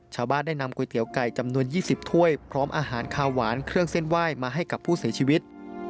ชาวบ้านได้นำก๋วยเตี๋ยวไก่จำนวน๒๐ถ้วยพร้อมอาหารคาหวานเครื่องเส้นไหว้มาให้กับผู้เสียชีวิต